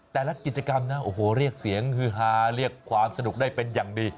แต่ละกิจกรรมนะโอ้โหเรียกเสียงฮือฮาเรียกความสนุกได้เป็นอย่างดี